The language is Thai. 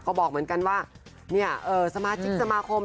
ก็บอกเหมือนกันว่าสมาชิกสมาคม